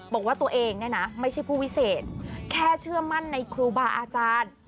บอกว่าตัวเองเนี่ยนะไม่ใช่ผู้วิเศษแค่เชื่อมั่นในครูบาอาจารย์